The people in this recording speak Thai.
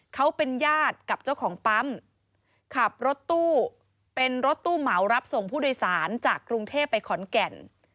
เขาเป็นญาติกับเจ้าของปั๊มขับรถตู้เป็นรถตู้เหมารับส่งผู้โดยสารจากกรุงเทพไปขอนแก่น